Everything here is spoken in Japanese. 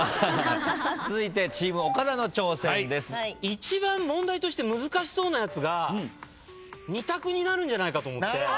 一番問題として難しそうなやつが２択になるんじゃないかと思って。